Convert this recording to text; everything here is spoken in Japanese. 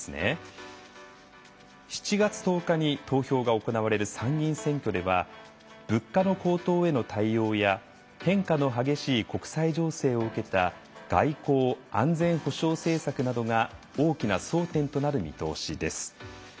「７月１０日に投票が行われる参議院選挙では物価の高騰への対応や変化の激しい国際情勢を受けた外交・安全保障政策などが大きな争点となる見通しです」。